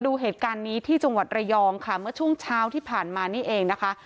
ดูเหตุการณ์นี้ที่จังหวัดระยองค่ะเมื่อช่วงเช้าที่ผ่านมานี่เองนะคะ